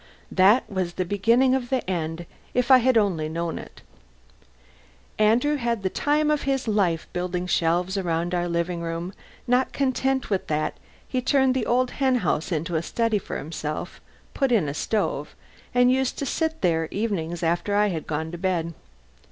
That was the beginning of the end, if I had only known it. Andrew had the time of his life building shelves all round our living room; not content with that he turned the old hen house into a study for himself, put in a stove, and used to sit up there evenings after I had gone to bed.